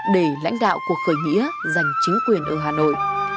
để lãnh đạo cuộc khởi nghĩa giành chính quyền ở hà nội